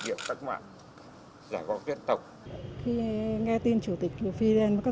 vì ông là một người bạn và người đã giúp đỡ việt nam rất nhiều